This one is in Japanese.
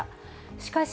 しかし、